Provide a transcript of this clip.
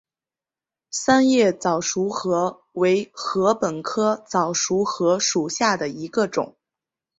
三叶早熟禾为禾本科早熟禾属下的一个种。